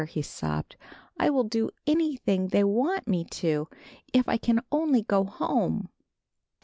he sobbed, "I will do anything they want me to, if I can only go home.